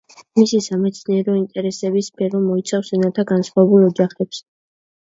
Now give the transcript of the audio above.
მისი სამეცნიერო ინტერესების სფერო მოიცავს ენათა განსხვავებულ ოჯახებს.